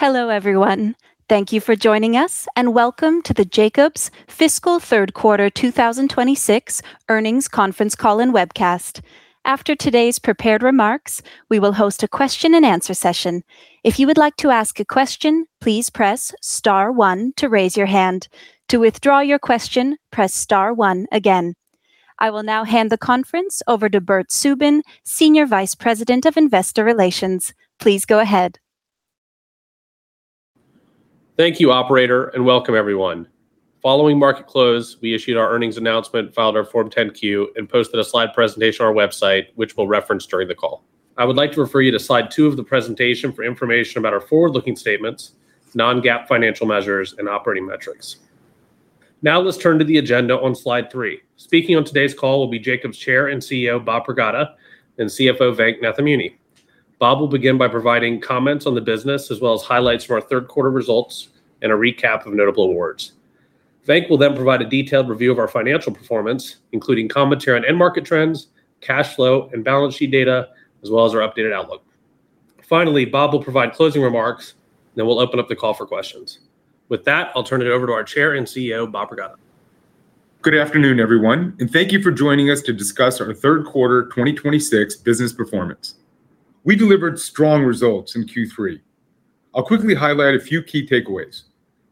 Hello, everyone. Thank you for joining us, and welcome to the Jacobs Fiscal Third Quarter 2026 Earnings Conference Call and Webcast. After today's prepared remarks, we will host a question and answer session. If you would like to ask a question, please press star one to raise your hand. To withdraw your question, press star one again. I will now hand the conference over to Bert Subin, Senior Vice President of Investor Relations. Please go ahead. Thank you, operator, welcome everyone. Following market close, we issued our earnings announcement, filed our Form 10-Q, and posted a slide presentation on our website, which we'll reference during the call. I would like to refer you to slide two of the presentation for information about our forward-looking statements, non-GAAP financial measures, and operating metrics. Now let's turn to the agenda on slide three. Speaking on today's call will be Jacobs Chair and CEO Bob Pragada, and CFO Venk Nathamuni. Bob will begin by providing comments on the business as well as highlights from our third quarter results and a recap of notable awards. Venk will provide a detailed review of our financial performance, including commentary on end market trends, cash flow, and balance sheet data, as well as our updated outlook. Finally, Bob will provide closing remarks, we'll open up the call for questions. With that, I'll turn it over to our Chair and CEO, Bob Pragada. Good afternoon, everyone, thank you for joining us to discuss our third quarter 2026 business performance. We delivered strong results in Q3. I'll quickly highlight a few key takeaways.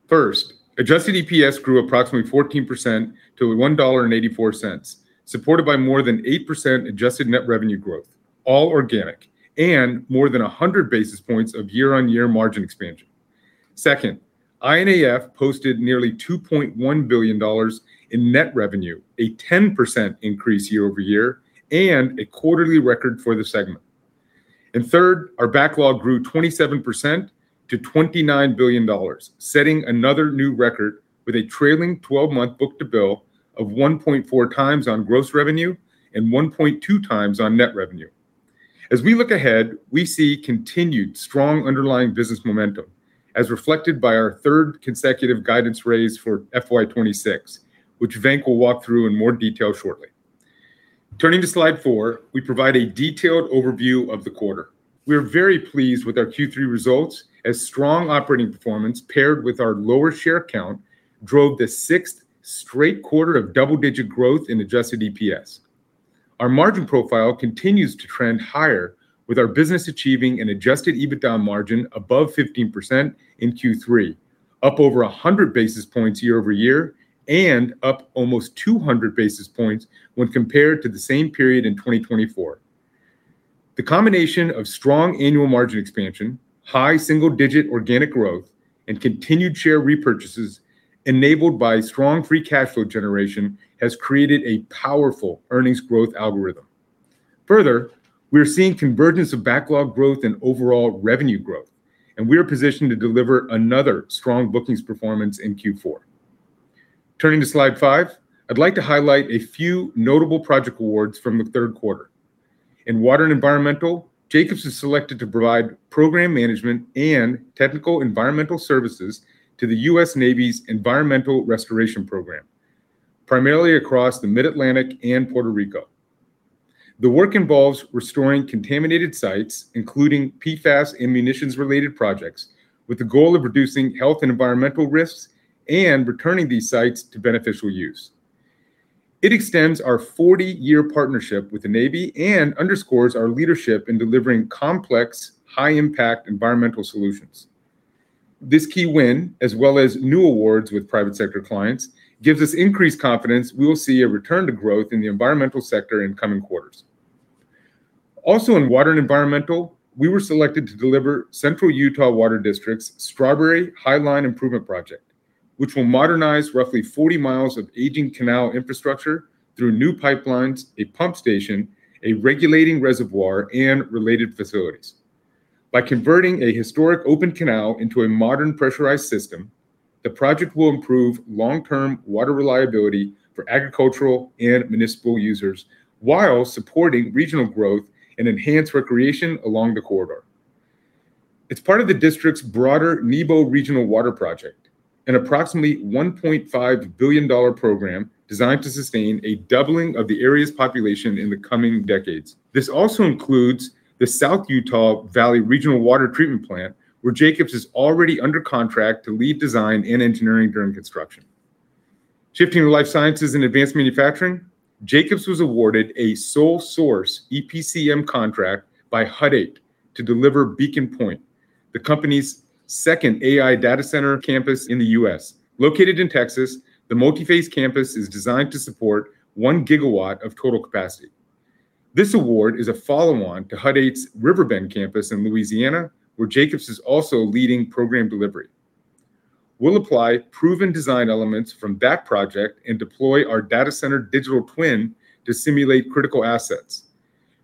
First, adjusted EPS grew approximately 14% to $1.84, supported by more than 8% adjusted net revenue growth, all organic, and more than 100 basis points of year-on-year margin expansion. Second, I&AF posted nearly $2.1 billion in net revenue, a 10% increase year-over-year, and a quarterly record for the segment. Third, our backlog grew 27% to $29 billion, setting another new record with a trailing 12-month book-to-bill of 1.4x on gross revenue and 1.2x on net revenue. As we look ahead, we see continued strong underlying business momentum, as reflected by our third consecutive guidance raise for FY 2026, which Venk will walk through in more detail shortly. Turning to slide four, we provide a detailed overview of the quarter. We are very pleased with our Q3 results, as strong operating performance paired with our lower share count drove the sixth straight quarter of double-digit growth in adjusted EPS. Our margin profile continues to trend higher with our business achieving an adjusted EBITDA margin above 15% in Q3, up over 100 basis points year-over-year, and up almost 200 basis points when compared to the same period in 2024. The combination of strong annual margin expansion, high single-digit organic growth, and continued share repurchases enabled by strong free cash flow generation has created a powerful earnings growth algorithm. We're seeing convergence of backlog growth and overall revenue growth, and we are positioned to deliver another strong bookings performance in Q4. Turning to slide five, I'd like to highlight a few notable project awards from the third quarter. In water and environmental, Jacobs is selected to provide program management and technical environmental services to the U.S. Navy's Environmental Restoration Program, primarily across the Mid-Atlantic and Puerto Rico. The work involves restoring contaminated sites, including PFAS and munitions-related projects, with the goal of reducing health and environmental risks and returning these sites to beneficial use. It extends our 40-year partnership with the Navy and underscores our leadership in delivering complex, high-impact environmental solutions. This key win, as well as new awards with private sector clients, gives us increased confidence we will see a return to growth in the environmental sector in coming quarters. Also in water and environmental, we were selected to deliver Central Utah Water Conservancy District's Strawberry High Line Improvement Project, which will modernize roughly 40 mi of aging canal infrastructure through new pipelines, a pump station, a regulating reservoir, and related facilities. By converting a historic open canal into a modern pressurized system, the project will improve long-term water reliability for agricultural and municipal users while supporting regional growth and enhanced recreation along the corridor. It's part of the district's broader Nebo Regional Water Project, an approximately $1.5 billion program designed to sustain a doubling of the area's population in the coming decades. This also includes the South Utah Valley Regional Water Treatment Plant, where Jacobs is already under contract to lead design and engineering during construction. Shifting to life sciences and advanced manufacturing, Jacobs was awarded a sole-source EPCM contract by Hut 8 to deliver Beacon Point, the company's second AI data center campus in the U.S. Located in Texas, the multi-phase campus is designed to support 1 GW of total capacity. This award is a follow-on to Hut 8's River Bend campus in Louisiana, where Jacobs is also leading program delivery. We'll apply proven design elements from that project and deploy our data center digital twin to simulate critical assets,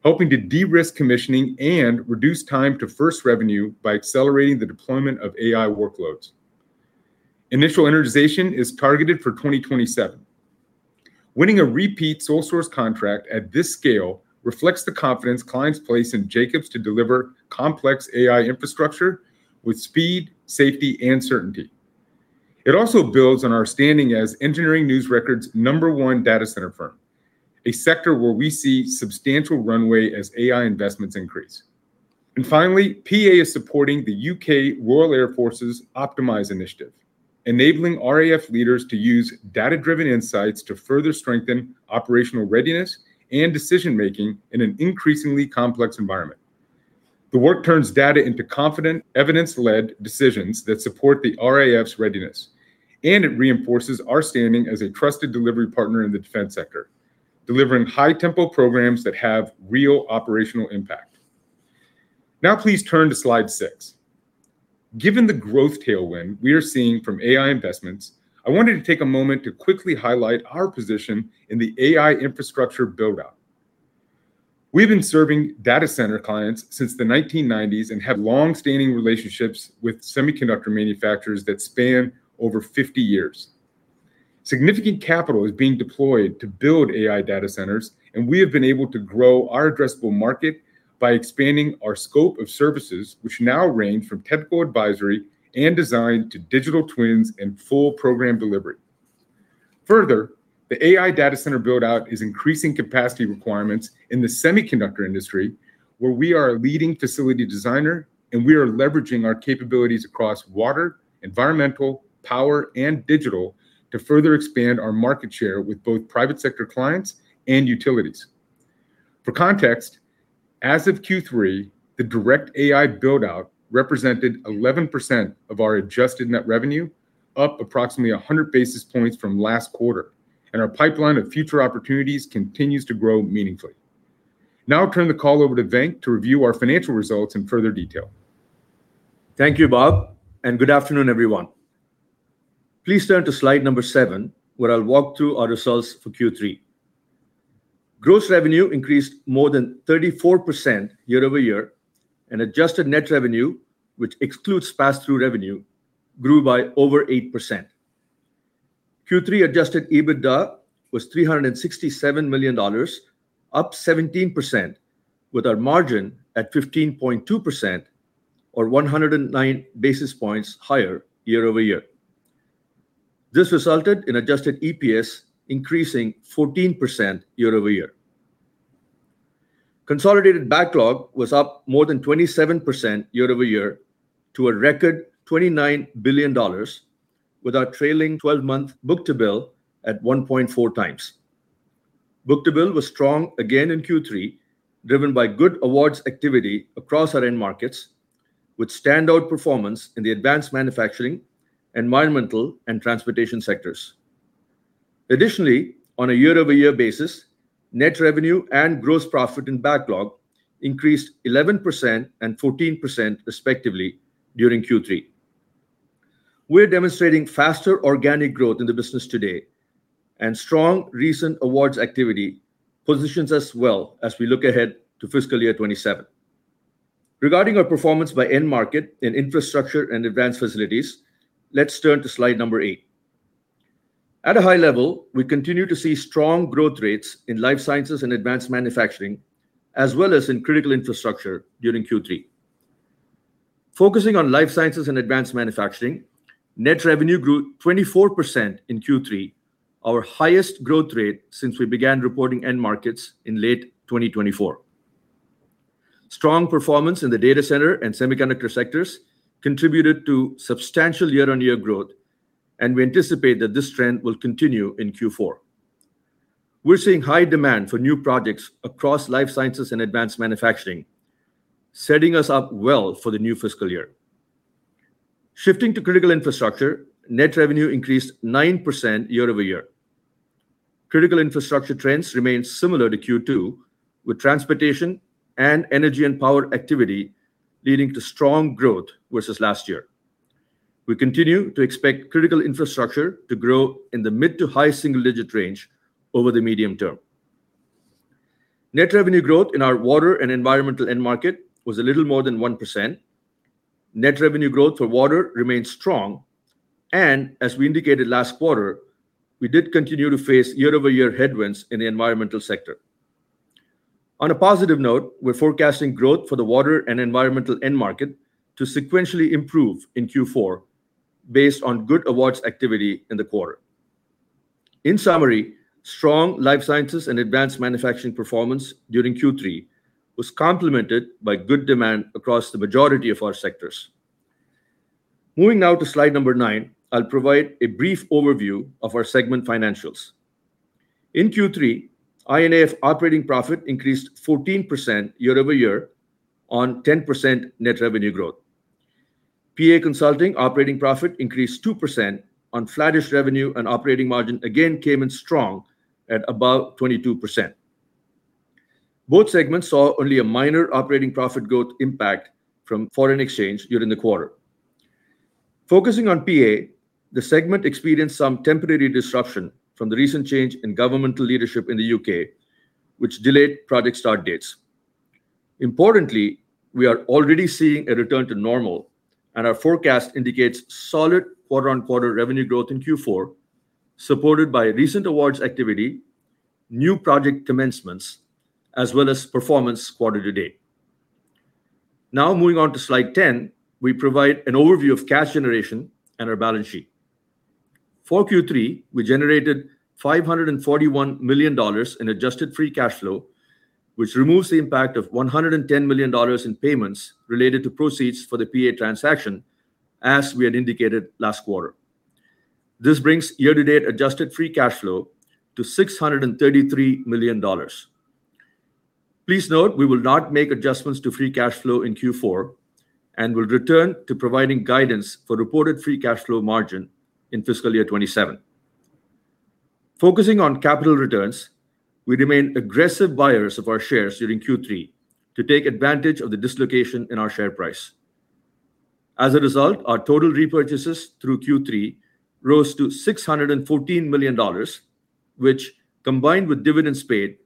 helping to de-risk commissioning and reduce time to first revenue by accelerating the deployment of AI workloads. Initial energization is targeted for 2027. Winning a repeat sole-source contract at this scale reflects the confidence clients place in Jacobs to deliver complex AI infrastructure with speed, safety, and certainty. It also builds on our standing as Engineering News-Record's number one data center firm, a sector where we see substantial runway as AI investments increase. Finally, PA is supporting the U.K. Royal Air Force's Optimise initiative, enabling RAF leaders to use data-driven insights to further strengthen operational readiness and decision-making in an increasingly complex environment. The work turns data into confident, evidence-led decisions that support the RAF's readiness, it reinforces our standing as a trusted delivery partner in the defense sector, delivering high-tempo programs that have real operational impact. Now please turn to slide six. Given the growth tailwind we are seeing from AI investments, I wanted to take a moment to quickly highlight our position in the AI infrastructure build-out. We've been serving data center clients since the 1990s and have longstanding relationships with semiconductor manufacturers that span over 50 years. Significant capital is being deployed to build AI data centers, we have been able to grow our addressable market by expanding our scope of services, which now range from technical advisory and design to digital twins and full program delivery. Further, the AI data center build-out is increasing capacity requirements in the semiconductor industry, where we are a leading facility designer, we are leveraging our capabilities across water, environmental, power, and digital to further expand our market share with both private sector clients and utilities. For context, as of Q3, the direct AI build-out represented 11% of our adjusted net revenue, up approximately 100 basis points from last quarter, our pipeline of future opportunities continues to grow meaningfully. Now I'll turn the call over to Venk to review our financial results in further detail. Thank you, Bob. Good afternoon, everyone. Please turn to slide number seven, where I'll walk through our results for Q3. Gross revenue increased more than 34% year-over-year, adjusted net revenue, which excludes pass-through revenue, grew by over 8%. Q3 adjusted EBITDA was $367 million, up 17%, with our margin at 15.2%, or 109 basis points higher year-over-year. This resulted in adjusted EPS increasing 14% year-over-year. Consolidated backlog was up more than 27% year-over-year to a record $29 billion with our trailing 12-month book-to-bill at 1.4x. Book-to-bill was strong again in Q3, driven by good awards activity across our end markets, with standout performance in the advanced manufacturing, environmental, and transportation sectors. Additionally, on a year-over-year basis, net revenue and gross profit in backlog increased 11% and 14%, respectively, during Q3. We're demonstrating faster organic growth in the business today, strong recent awards activity positions us well as we look ahead to fiscal year 2027. Regarding our performance by end market in Infrastructure & Advanced Facilities, let's turn to slide number eight. At a high level, we continue to see strong growth rates in life sciences and advanced manufacturing, as well as in critical infrastructure during Q3. Focusing on life sciences and advanced manufacturing, net revenue grew 24% in Q3, our highest growth rate since we began reporting end markets in late 2024. Strong performance in the data center and semiconductor sectors contributed to substantial year-over-year growth, we anticipate that this trend will continue in Q4. We're seeing high demand for new projects across life sciences and advanced manufacturing, setting us up well for the new fiscal year. Shifting to critical infrastructure, net revenue increased 9% year-over-year. Critical infrastructure trends remain similar to Q2, with transportation and energy and power activity leading to strong growth versus last year. We continue to expect critical infrastructure to grow in the mid-to-high single-digit range over the medium term. Net revenue growth in our water and environmental end market was a little more than 1%. Net revenue growth for water remains strong, and as we indicated last quarter, we did continue to face year-over-year headwinds in the environmental sector. On a positive note, we're forecasting growth for the water and environmental end market to sequentially improve in Q4 based on good awards activity in the quarter. In summary, strong life sciences and advanced manufacturing performance during Q3 was complemented by good demand across the majority of our sectors. Moving now to slide number nine, I'll provide a brief overview of our segment financials. In Q3, I&AF operating profit increased 14% year-over-year on 10% net revenue growth. PA Consulting operating profit increased 2% on flattish revenue, and operating margin again came in strong at above 22%. Both segments saw only a minor operating profit growth impact from foreign exchange during the quarter. Focusing on PA, the segment experienced some temporary disruption from the recent change in governmental leadership in the U.K., which delayed project start dates. Importantly, we are already seeing a return to normal, and our forecast indicates solid quarter-on-quarter revenue growth in Q4, supported by recent awards activity, new project commencements, as well as performance quarter to date. Moving on to slide 10, we provide an overview of cash generation and our balance sheet. For Q3, we generated $541 million in adjusted free cash flow, which removes the impact of $110 million in payments related to proceeds for the PA transaction, as we had indicated last quarter. This brings year-to-date adjusted free cash flow to $633 million. Please note, we will not make adjustments to free cash flow in Q4 and will return to providing guidance for reported free cash flow margin in fiscal year 2027. Focusing on capital returns, we remain aggressive buyers of our shares during Q3 to take advantage of the dislocation in our share price. As a result, our total repurchases through Q3 rose to $614 million, which, combined with dividends paid,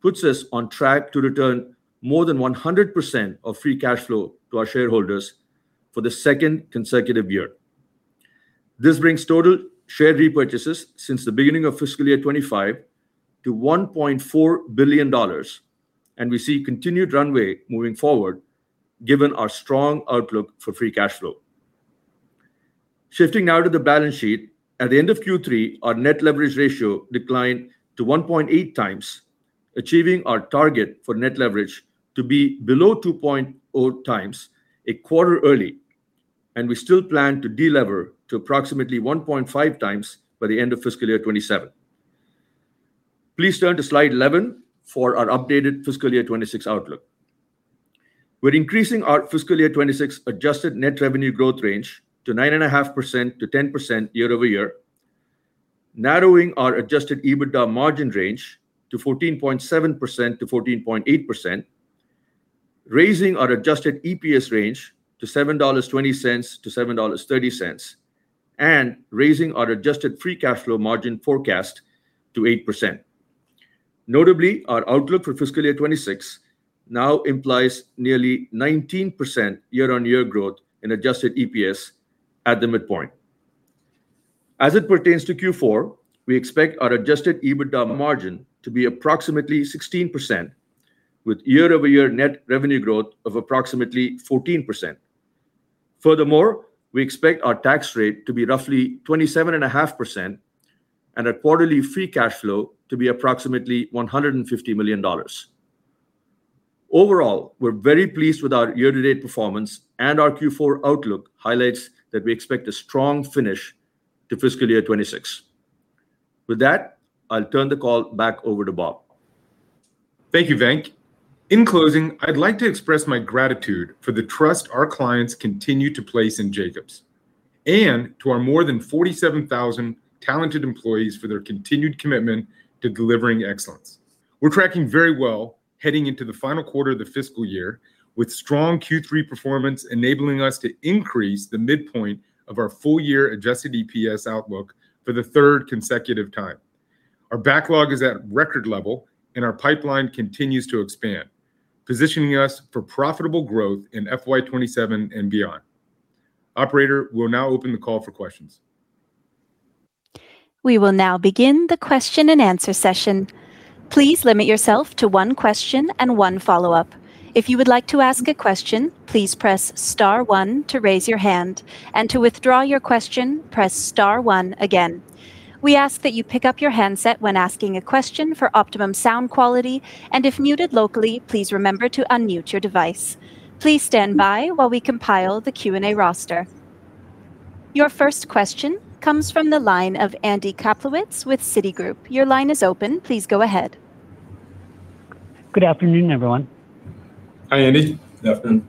puts us on track to return more than 100% of free cash flow to our shareholders for the second consecutive year. This brings total share repurchases since the beginning of fiscal year 2025 to $1.4 billion, we see continued runway moving forward given our strong outlook for free cash flow. Shifting now to the balance sheet, at the end of Q3, our net leverage ratio declined to 1.8x, achieving our target for net leverage to be below 2.0x a quarter early, we still plan to de-lever to approximately 1.5x by the end of fiscal year 2027. Please turn to slide 11 for our updated fiscal year 2026 outlook. We're increasing our fiscal year 2026 adjusted net revenue growth range to 9.5%-10% year-over-year, narrowing our adjusted EBITDA margin range to 14.7%-14.8%, raising our adjusted EPS range to $7.20-$7.30, raising our adjusted free cash flow margin forecast to 8%. Notably, our outlook for fiscal year 2026 now implies nearly 19% year-on-year growth in adjusted EPS at the midpoint. As it pertains to Q4, we expect our adjusted EBITDA margin to be approximately 16%, with year-over-year net revenue growth of approximately 14%. Furthermore, we expect our tax rate to be roughly 27.5% and our quarterly free cash flow to be approximately $150 million. Overall, we're very pleased with our year-to-date performance, and our Q4 outlook highlights that we expect a strong finish to fiscal year 2026. With that, I'll turn the call back over to Bob. Thank you, Venk. In closing, I'd like to express my gratitude for the trust our clients continue to place in Jacobs, and to our more than 47,000 talented employees for their continued commitment to delivering excellence. We're tracking very well heading into the final quarter of the fiscal year, with strong Q3 performance enabling us to increase the midpoint of our full-year adjusted EPS outlook for the third consecutive time. Our backlog is at a record level and our pipeline continues to expand, positioning us for profitable growth in FY 2027 and beyond. Operator, we'll now open the call for questions. We will now begin the question and answer session. Please limit yourself to one question and one follow-up. If you would like to ask a question, please press star one to raise your hand, and to withdraw your question, press star one again. We ask that you pick up your handset when asking a question for optimum sound quality, and if muted locally, please remember to unmute your device. Please stand by while we compile the Q&A roster. Your first question comes from the line of Andy Kaplowitz with Citigroup. Your line is open. Please go ahead. Good afternoon, everyone. Hi, Andy. Good afternoon.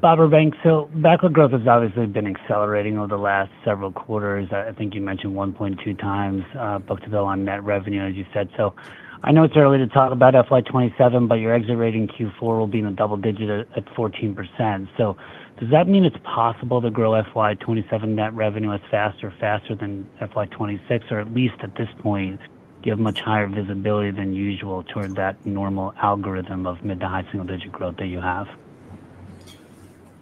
Bob or Venk, backlog growth has obviously been accelerating over the last several quarters. I think you mentioned 1.2x book-to-bill on net revenue, as you said. I know it's early to talk about FY 2027, but your exit rate in Q4 will be in the double digits at 14%. Does that mean it's possible to grow FY 2027 net revenue as fast or faster than FY 2026? Or at least at this point, give much higher visibility than usual toward that normal algorithm of mid to high single-digit growth that you have?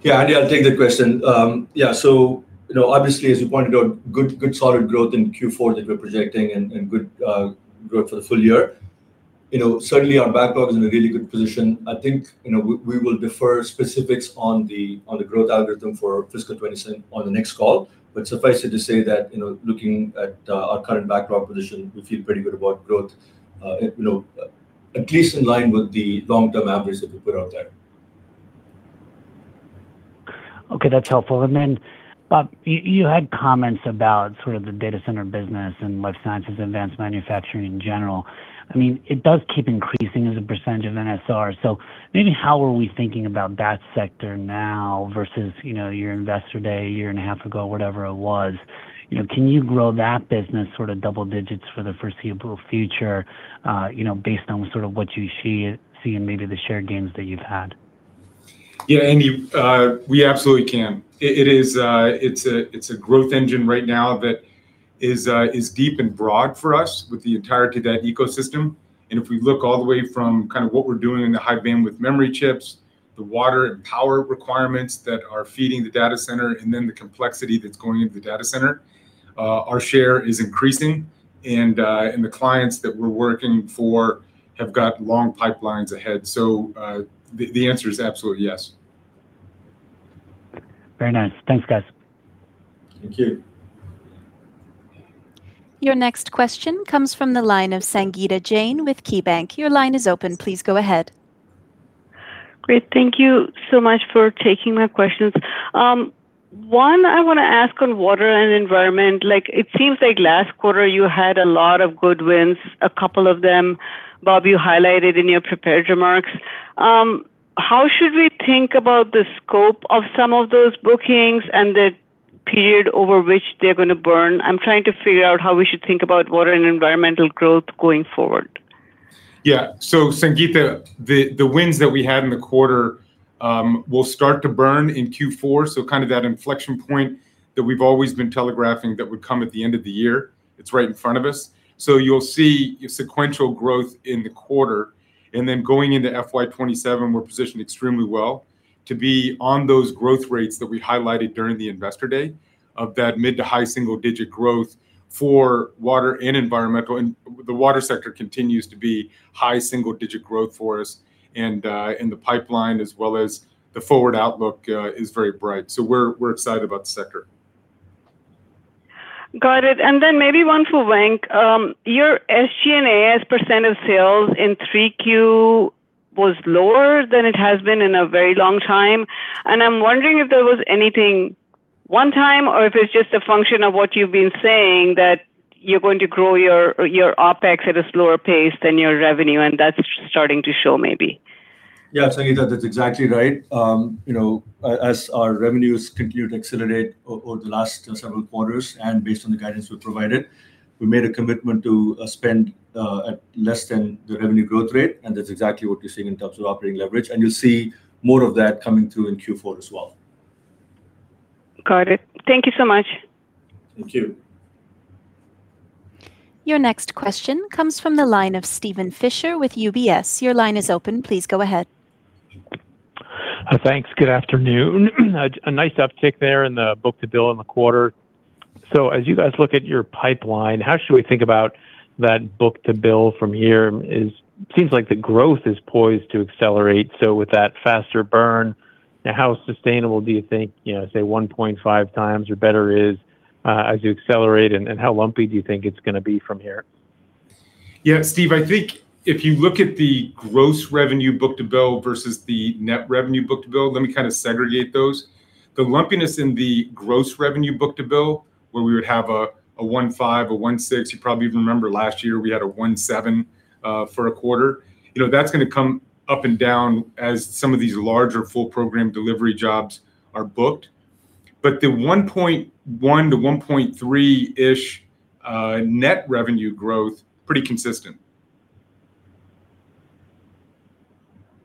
Yeah, Andy, I'll take that question. Obviously, as you pointed out, good solid growth in Q4 that we're projecting and good growth for the full year. Certainly, our backlog is in a really good position. I think we will defer specifics on the growth algorithm for fiscal 2027 on the next call, but suffice it to say that looking at our current backlog position, we feel pretty good about growth at least in line with the long-term average that we put out there. Okay, that's helpful. Bob, you had comments about the data center business and life sciences, advanced manufacturing in general. It does keep increasing as a percentage of NSR, how are we thinking about that sector now versus your investor day a year and a half ago, whatever it was. Can you grow that business double digits for the foreseeable future, based on what you see and maybe the share gains that you've had? Yeah, Andy, we absolutely can. It's a growth engine right now that is deep and broad for us with the entire [cadence] ecosystem. If we look all the way from what we're doing in the high-bandwidth memory chips, the water and power requirements that are feeding the data center, the complexity that's going into the data center, our share is increasing. The clients that we're working for have got long pipelines ahead. The answer is absolutely yes. Very nice. Thanks, guys. Thank you. Your next question comes from the line of Sangita Jain with KeyBanc. Your line is open. Please go ahead. Great. Thank you so much for taking my questions. One, I want to ask on water and environment. It seems like last quarter you had a lot of good wins. A couple of them, Bob, you highlighted in your prepared remarks. How should we think about the scope of some of those bookings and the period over which they're going to burn? I'm trying to figure out how we should think about water and environmental growth going forward. Sangita, the wins that we had in the quarter will start to burn in Q4. That inflection point that we've always been telegraphing that would come at the end of the year, it's right in front of us. You'll see sequential growth in the quarter, then going into FY 2027, we're positioned extremely well to be on those growth rates that we highlighted during the investor day of that mid to high single-digit growth for water and environmental. The water sector continues to be high single-digit growth for us, and the pipeline as well as the forward outlook is very bright. We're excited about the sector. Got it. Then maybe one for Venk. Your SG&A as percent of sales in 3Q was lower than it has been in a very long time. I'm wondering if there was anything one-time, or if it's just a function of what you've been saying that you're going to grow your OpEx at a slower pace than your revenue. That's starting to show maybe. Yeah, Sangita, that's exactly right. As our revenues continued to accelerate over the last several quarters, and based on the guidance we provided, we made a commitment to spend at less than the revenue growth rate, and that's exactly what you're seeing in terms of operating leverage, and you'll see more of that coming through in Q4 as well. Got it. Thank you so much. Thank you. Your next question comes from the line of Steven Fisher with UBS. Your line is open. Please go ahead. Thanks. Good afternoon. A nice uptick there in the book-to-bill in the quarter. As you guys look at your pipeline, how should we think about that book-to-bill from here? It seems like the growth is poised to accelerate. With that faster burn now, how sustainable do you think, say, 1.5x or better is as you accelerate, and how lumpy do you think it's going to be from here? Yeah, Steve, I think if you look at the gross revenue book-to-bill versus the net revenue book-to-bill, let me kind of segregate those. The lumpiness in the gross revenue book-to-bill, where we would have a 1.5x, a 1.6x, you probably even remember last year we had a 1.7x for a quarter. That's going to come up and down as some of these larger full program delivery jobs are booked. The 1.1x to 1.3x-ish net revenue growth, pretty consistent.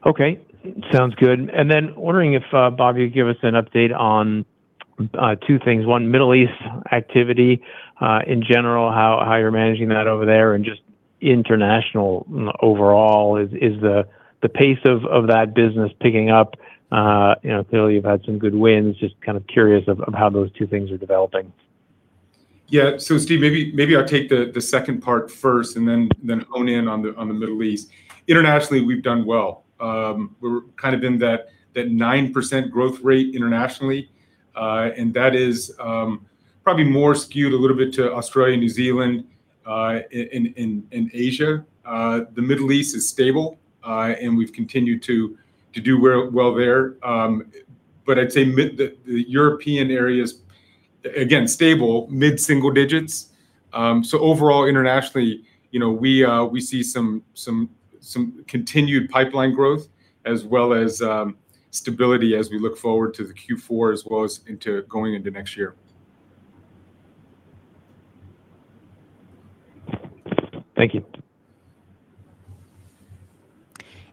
Okay. Sounds good. Wondering if, Bob, you could give us an update on two things. One, Middle East activity in general, how you're managing that over there and just international overall. Is the pace of that business picking up? Clearly, you've had some good wins, just kind of curious of how those two things are developing. Yeah. Steve, maybe I'll take the second part first and then hone in on the Middle East. Internationally, we've done well. We're kind of in that 9% growth rate internationally. That is probably more skewed a little bit to Australia, New Zealand, and Asia. The Middle East is stable, and we've continued to do well there. I'd say the European areas, again, stable, mid-single digits. Overall, internationally we see some continued pipeline growth as well as stability as we look forward to the Q4 as well as into going into next year. Thank you.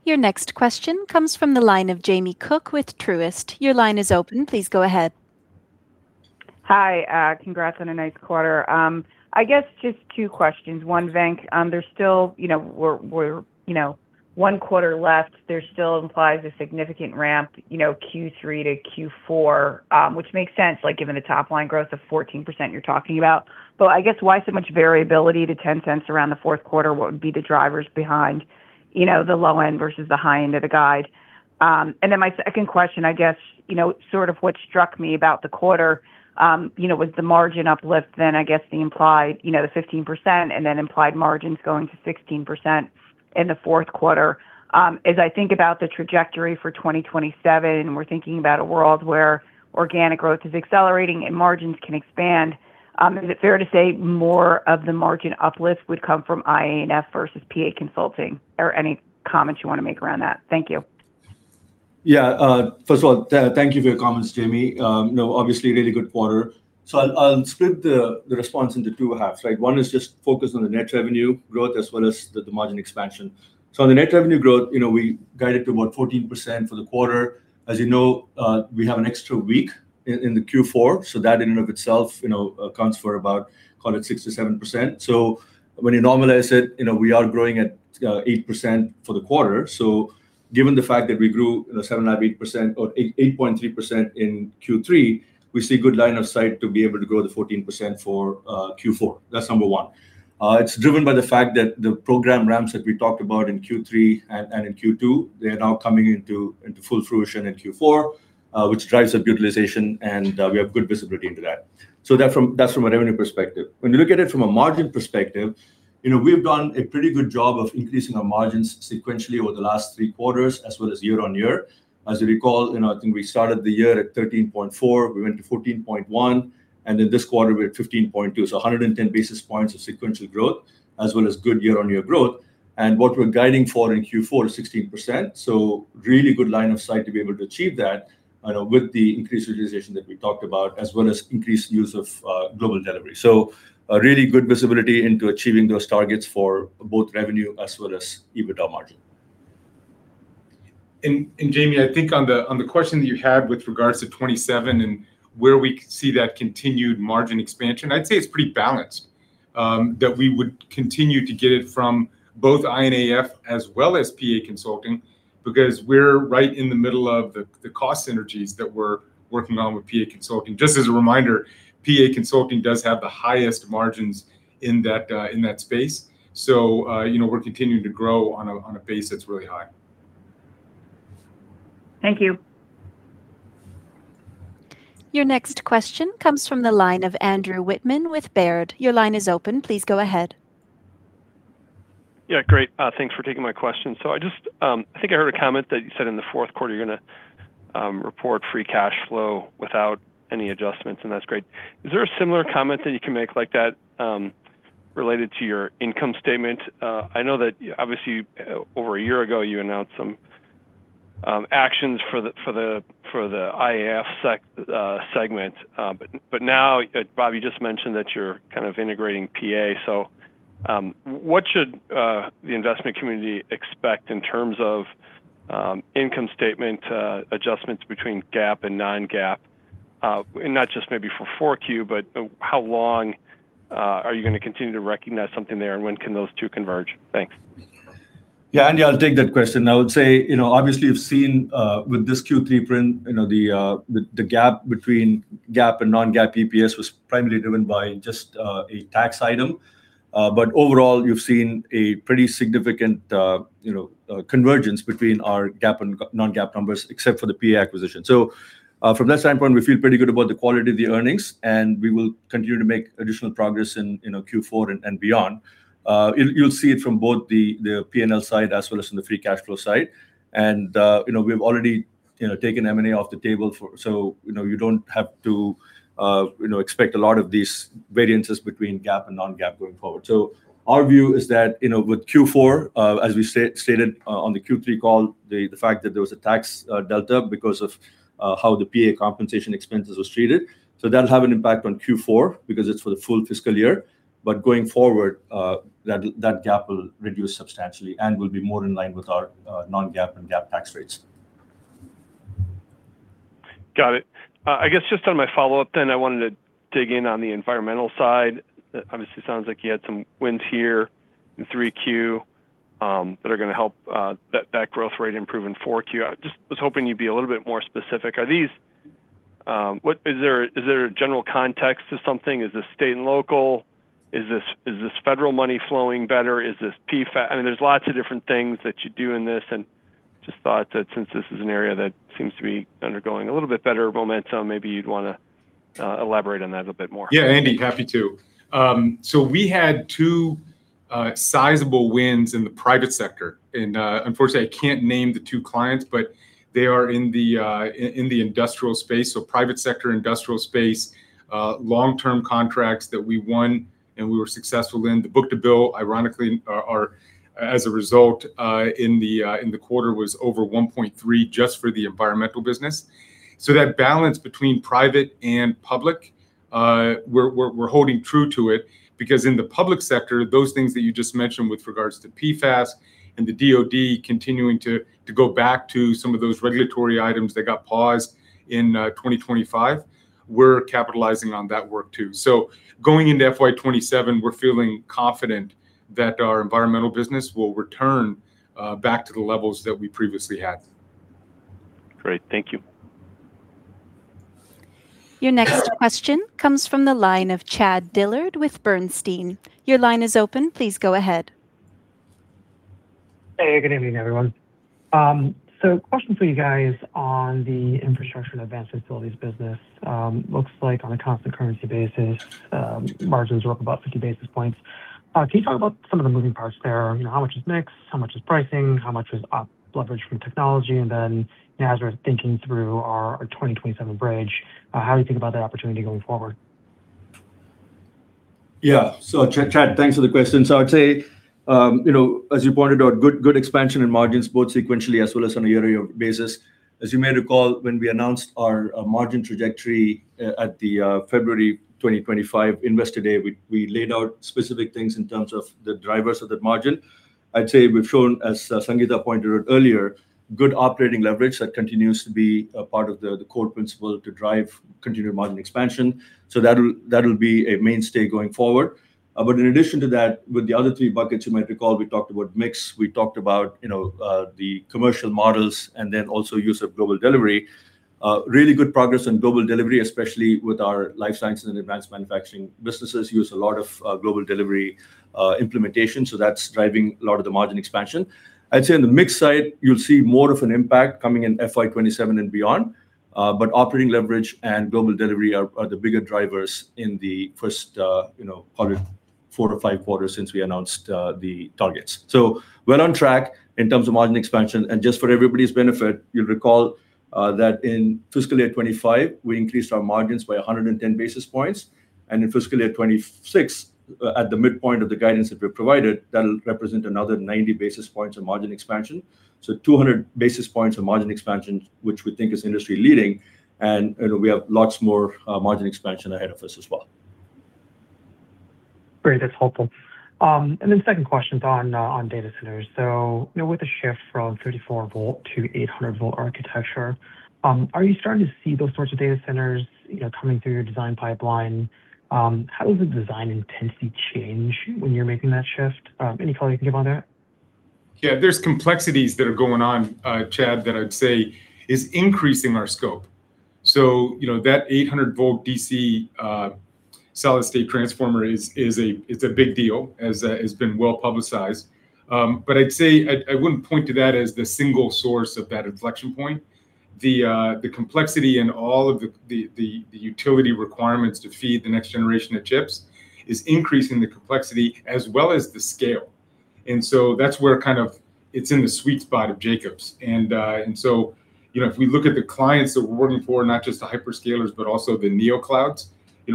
Your next question comes from the line of Jamie Cook with Truist. Your line is open. Please go ahead. Hi. Congrats on a nice quarter. I guess just two questions. One, Venk, one quarter left, there still implies a significant ramp Q3 to Q4, which makes sense given the top-line growth of 14% you are talking about. I guess why so much variability to $0.10 around the fourth quarter? What would be the drivers behind the low end versus the high end of the guide? My second question, I guess what struck me about the quarter was the margin uplift, then I guess the implied 15% and then implied margins going to 16% in the fourth quarter. As I think about the trajectory for 2027, we are thinking about a world where organic growth is accelerating and margins can expand. Is it fair to say more of the margin uplift would come from I&AF versus PA Consulting? Any comments you want to make around that? Thank you. First of all, thank you for your comments, Jamie. Obviously, really good quarter. I'll split the response into two halves, right? One is just focused on the net revenue growth as well as the margin expansion. On the net revenue growth, we guided to about 14% for the quarter. As you know, we have an extra week in Q4, that in and of itself accounts for about, call it, 6%-7%. When you normalize it, we are growing at 8% for the quarter. Given the fact that we grew 7.5%, 8%, or 8.3% in Q3, we see good line of sight to be able to grow the 14% for Q4. That's number one. It is driven by the fact that the program ramps that we talked about in Q3 and in Q2, they are now coming into full fruition in Q4, which drives up utilization, and we have good visibility into that. That's from a revenue perspective. When you look at it from a margin perspective, we've done a pretty good job of increasing our margins sequentially over the last three quarters, as well as year-over-year. As you recall, I think we started the year at 13.4%, we went to 14.1%, and in this quarter, we're at 15.2%. 110 basis points of sequential growth, as well as good year-over-year growth. What we're guiding for in Q4 is 16%. Really good line of sight to be able to achieve that with the increased utilization that we talked about, as well as increased use of global delivery. Really good visibility into achieving those targets for both revenue as well as EBITDA margin. Jamie, I think on the question that you had with regards to 2027 and where we see that continued margin expansion, I'd say it's pretty balanced. That we would continue to get it from both I&AF as well as PA Consulting, because we're right in the middle of the cost synergies that we're working on with PA Consulting. Just as a reminder, PA Consulting does have the highest margins in that space. We're continuing to grow on a base that's really high. Thank you. Your next question comes from the line of Andrew Wittmann with Baird. Your line is open. Please go ahead. Yeah, great. Thanks for taking my question. I think I heard a comment that you said in the fourth quarter, you're going to report free cash flow without any adjustments, and that's great. Is there a similar comment that you can make like that, related to your income statement? I know that obviously, over a year ago, you announced some actions for the I&AF segment. Now, Bob Pragada, you just mentioned that you're kind of integrating PA. What should the investment community expect in terms of income statement adjustments between GAAP and non-GAAP? Not just maybe for 4Q, but how long are you going to continue to recognize something there, and when can those two converge? Thanks. Yeah, Andy, I'll take that question. I would say, obviously you've seen with this Q3 print, the gap between GAAP and non-GAAP EPS was primarily driven by just a tax item. Overall, you've seen a pretty significant convergence between our GAAP and non-GAAP numbers, except for the PA acquisition. From that standpoint, we feel pretty good about the quality of the earnings, and we will continue to make additional progress in Q4 and beyond. You'll see it from both the P&L side as well as from the free cash flow side. We've already taken M&A off the table, so you don't have to expect a lot of these variances between GAAP and non-GAAP going forward. Our view is that with Q4, as we stated on the Q3 call, the fact that there was a tax delta because of how the PA compensation expenses was treated. That'll have an impact on Q4 because it's for the full fiscal year, but going forward, that gap will reduce substantially and will be more in line with our non-GAAP and GAAP tax rates. Got it. I guess just on my follow-up, I wanted to dig in on the environmental side. Obviously sounds like you had some wins here in 3Q, that are going to help that growth rate improve in 4Q. I just was hoping you'd be a little bit more specific. Is there a general context to something? Is this state and local? Is this federal money flowing better? Is this PFAS? There's lots of different things that you do in this, and just thought that since this is an area that seems to be undergoing a little bit better momentum, maybe you'd want to elaborate on that a bit more. Yeah, Andy, happy to. We had two sizable wins in the private sector, and unfortunately, I can't name the two clients, but they are in the industrial space. Private sector, industrial space, long-term contracts that we won and we were successful in. The book-to-bill, ironically, as a result in the quarter was over 1.3x just for the environmental business. That balance between private and public, we're holding true to it because in the public sector, those things that you just mentioned with regards to PFAS and the DoD continuing to go back to some of those regulatory items that got paused in 2025. We're capitalizing on that work, too. Going into FY 2027, we're feeling confident that our environmental business will return back to the levels that we previously had. Great. Thank you. Your next question comes from the line of Chad Dillard with Bernstein. Your line is open. Please go ahead. Hey, good evening, everyone. Question for you guys on the Infrastructure & Advanced Facilities business. Looks like on a constant currency basis, margins were up about 50 basis points. Can you talk about some of the moving parts there? How much is mix? How much is pricing? How much is leverage from technology? And then as we're thinking through our 2027 bridge, how do you think about that opportunity going forward? Yeah. Chad, thanks for the question. I would say, as you pointed out, good expansion in margins, both sequentially as well as on a year-over-year basis. As you may recall, when we announced our margin trajectory at the February 2025 Investor Day, we laid out specific things in terms of the drivers of that margin. I'd say we've shown, as Sangita pointed out earlier, good operating leverage that continues to be a part of the core principle to drive continued margin expansion. That'll be a mainstay going forward. In addition to that, with the other three buckets, you might recall, we talked about mix, we talked about the commercial models, and then also use of global delivery. Really good progress on global delivery, especially with our life sciences and advanced manufacturing businesses use a lot of global delivery implementation, that's driving a lot of the margin expansion. I'd say on the mix side, you'll see more of an impact coming in FY 2027 and beyond. Operating leverage and global delivery are the bigger drivers in the first public four to five quarters since we announced the targets. We're on track in terms of margin expansion. Just for everybody's benefit, you'll recall that in fiscal year 2025, we increased our margins by 110 basis points, and in fiscal year 2026, at the midpoint of the guidance that we've provided, that'll represent another 90 basis points of margin expansion. 200 basis points of margin expansion, which we think is industry-leading, and we have lots more margin expansion ahead of us as well. Great. That's helpful. Second question is on data centers. With the shift from 48 V to 800 V architecture, are you starting to see those sorts of data centers coming through your design pipeline? How does the design intensity change when you're making that shift? Any color you can give on that? Yeah. There's complexities that are going on, Chad, that I'd say is increasing our scope. That 800 V DC solid-state transformer is a big deal, as has been well-publicized. I'd say I wouldn't point to that as the single source of that inflection point. The complexity in all of the utility requirements to feed the next generation of chips is increasing the complexity as well as the scale. That's where it's in the sweet spot of Jacobs. If we look at the clients that we're working for, not just the hyperscalers but also the neoclouds,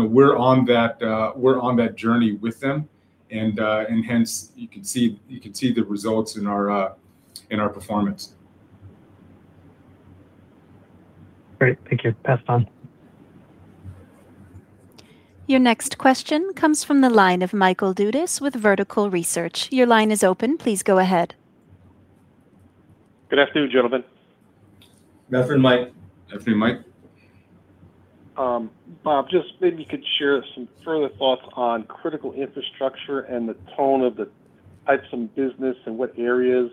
we're on that journey with them, and hence you can see the results in our performance. Great. Thank you. Pass it on. Your next question comes from the line of Michael Dudas with Vertical Research. Your line is open. Please go ahead. Good afternoon, gentlemen. Good afternoon, Mike. Afternoon, Mike. Bob, just maybe you could share some further thoughts on critical infrastructure and the tone of the types of business and what areas,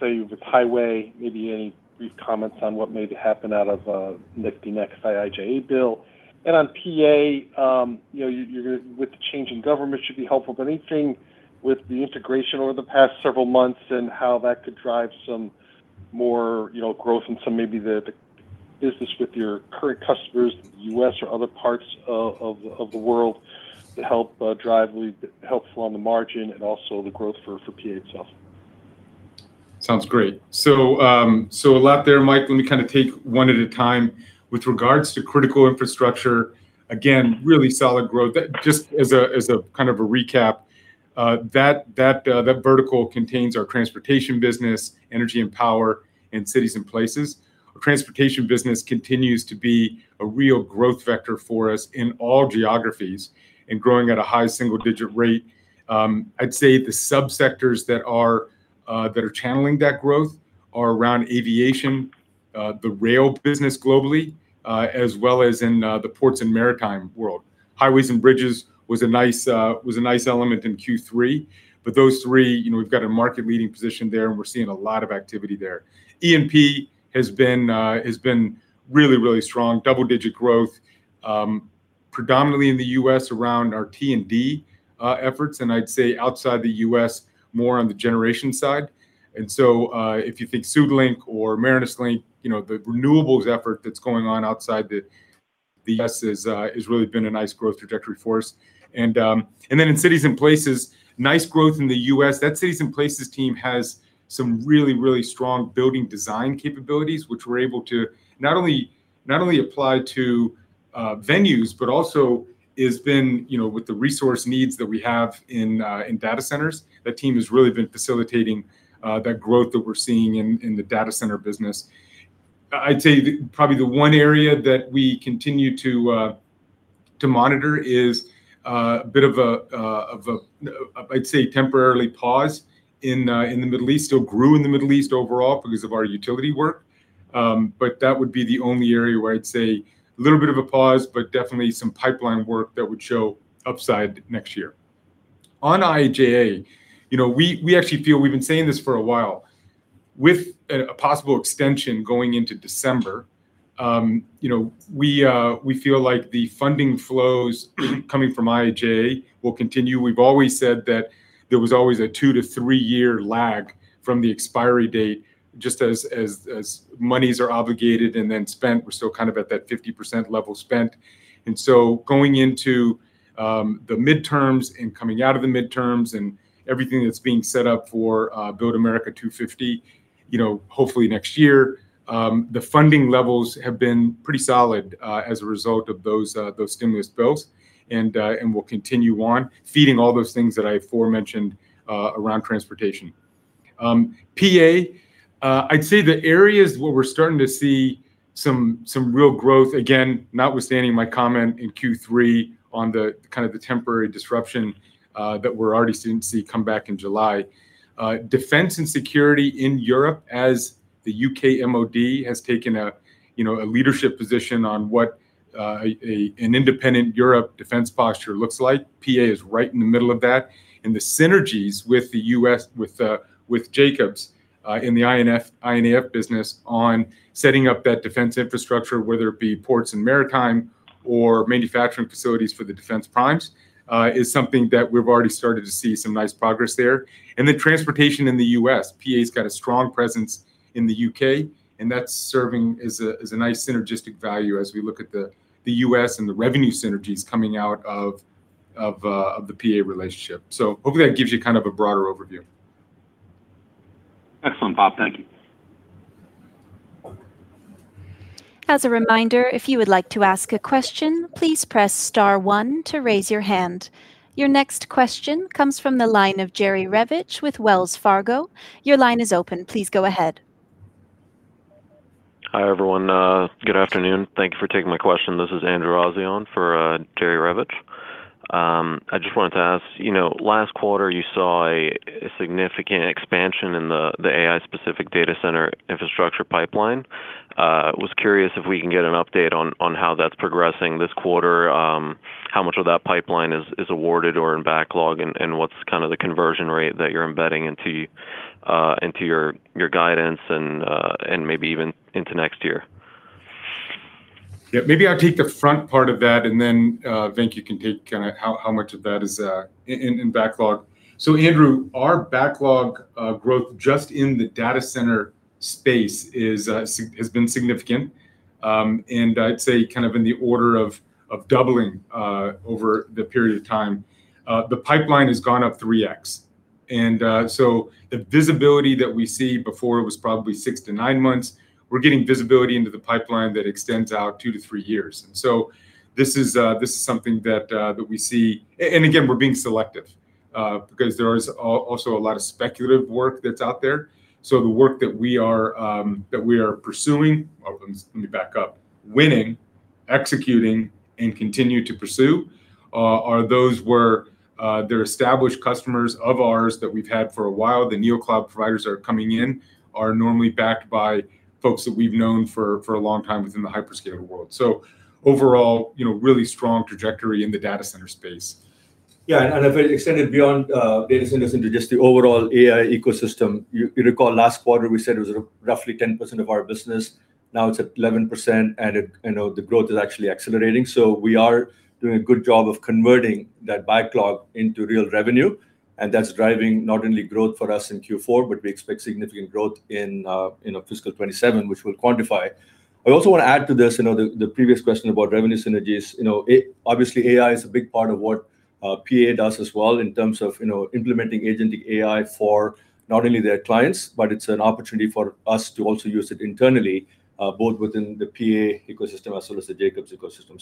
say with highway, maybe any brief comments on what may happen out of the next IIJA bill. On PA, with the change in government should be helpful, but anything with the integration over the past several months and how that could drive some more growth and some maybe the business with your current customers in the U.S. or other parts of the world to help drive helpful on the margin and also the growth for PA itself. Sounds great. A lot there, Mike. Let me take one at a time. With regards to critical infrastructure, again, really solid growth. Just as a recap, that vertical contains our transportation business, energy and power, and cities and places. Our transportation business continues to be a real growth vector for us in all geographies and growing at a high single-digit rate. I'd say the sub-sectors that are channeling that growth are around aviation, the rail business globally, as well as in the ports and maritime world. Highways and bridges was a nice element in Q3. Those three, we've got a market-leading position there, and we're seeing a lot of activity there. E&P has been really strong. Double-digit growth, predominantly in the U.S. around our T&D efforts, and I'd say outside the U.S., more on the generation side. If you think SuedLink or Marinus Link, the renewables effort that's going on outside the U.S. has really been a nice growth trajectory for us. In cities and places, nice growth in the U.S. That cities and places team has some really strong building design capabilities, which we're able to not only apply to venues, but also has been with the resource needs that we have in data centers. That team has really been facilitating that growth that we're seeing in the data center business. I'd say probably the one area that we continue to monitor is a bit of a, I'd say temporarily pause in the Middle East. Still grew in the Middle East overall because of our utility work. That would be the only area where I'd say a little bit of a pause. Definitely some pipeline work that would show upside next year. On IIJA, we actually feel, we've been saying this for a while, with a possible extension going into December, we feel like the funding flows coming from IIJA will continue. We've always said that there was always a two-to-three-year lag from the expiry date, just as monies are obligated and then spent. We're still at that 50% level spent. Going into the midterms and coming out of the midterms and everything that's being set up for BUILD America 250, hopefully next year, the funding levels have been pretty solid as a result of those stimulus bills and will continue on feeding all those things that I aforementioned around transportation. PA, I'd say the areas where we're starting to see some real growth, again, notwithstanding my comment in Q3 on the temporary disruption that we're already starting to see come back in July. Defense and security in Europe as the U.K. MOD has taken a leadership position on what an independent Europe defense posture looks like. PA is right in the middle of that, and the synergies with the U.S., with Jacobs in the I&AF business on setting up that defense infrastructure, whether it be ports and maritime or manufacturing facilities for the defense primes, is something that we've already started to see some nice progress there. Transportation in the U.S. PA's got a strong presence in the U.K., and that's serving as a nice synergistic value as we look at the U.S. and the revenue synergies coming out of the PA relationship. Hopefully that gives you a broader overview. Excellent, Bob. Thank you. As a reminder, if you would like to ask a question, please press star one to raise your hand. Your next question comes from the line of Jerry Revich with Wells Fargo. Your line is open. Please go ahead. Hi, everyone. Good afternoon. Thank you for taking my question. This is Andrew Azzi on for Jerry Revich. I just wanted to ask, last quarter you saw a significant expansion in the AI-specific data center infrastructure pipeline. Was curious if we can get an update on how that's progressing this quarter, how much of that pipeline is awarded or in backlog, and what's the conversion rate that you're embedding into your guidance, and maybe even into next year? Yeah. Maybe I'll take the front part of that, and then Venk can take how much of that is in backlog. Andrew, our backlog growth just in the data center space has been significant. I'd say in the order of doubling over the period of time. The pipeline has gone up 3x. The visibility that we see before was probably six to nine months. We're getting visibility into the pipeline that extends out two to three years. This is something that we see. Again, we're being selective, because there is also a lot of speculative work that's out there. The work that we are pursuing, or let me back up, winning, executing, and continue to pursue, are those where they're established customers of ours that we've had for a while. The neocloud providers that are coming in are normally backed by folks that we've known for a long time within the hyperscaler world. Overall, really strong trajectory in the data center space. Yeah, if it extended beyond data centers into just the overall AI ecosystem, you recall last quarter we said it was roughly 10% of our business. Now it's at 11%, the growth is actually accelerating. We are doing a good job of converting that backlog into real revenue, and that's driving not only growth for us in Q4, but we expect significant growth in fiscal 2027, which we'll quantify. I also want to add to this, the previous question about revenue synergies. Obviously AI is a big part of what PA does as well in terms of implementing agentic AI for not only their clients, but it's an opportunity for us to also use it internally, both within the PA ecosystem as well as the Jacobs ecosystem.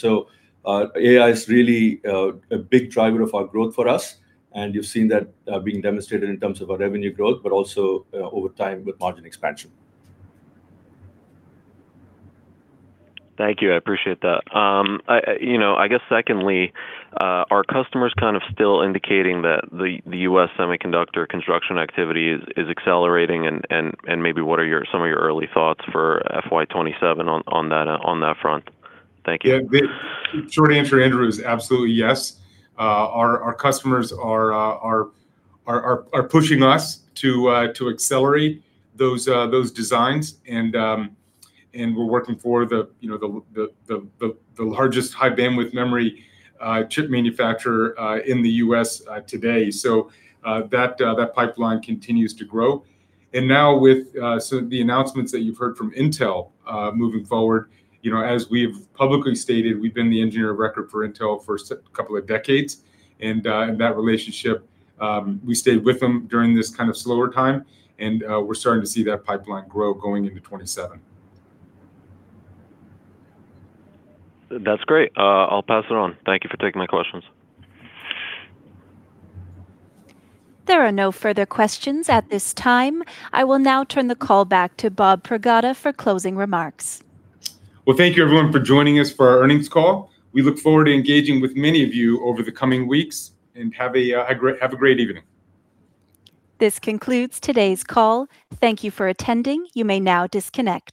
AI is really a big driver of our growth for us, you've seen that being demonstrated in terms of our revenue growth, but also over time with margin expansion. Thank you. I appreciate that. I guess secondly, are customers still indicating that the U.S. semiconductor construction activity is accelerating, and maybe what are some of your early thoughts for FY 2027 on that front? Thank you. Yeah. The short answer, Andrew, is absolutely yes. Our customers are pushing us to accelerate those designs, and we're working for the largest high bandwidth memory chip manufacturer in the U.S. today. That pipeline continues to grow. Now with the announcements that you've heard from Intel moving forward, as we've publicly stated, we've been the engineer of record for Intel for a couple of decades. In that relationship, we stayed with them during this slower time, and we're starting to see that pipeline grow going into 2027. That's great. I'll pass it on. Thank you for taking my questions. There are no further questions at this time. I will now turn the call back to Bob Pragada for closing remarks. Well, thank you everyone for joining us for our earnings call. We look forward to engaging with many of you over the coming weeks, and have a great evening. This concludes today's call. Thank you for attending. You may now disconnect.